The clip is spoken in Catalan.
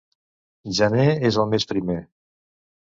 Gener és el mes primer.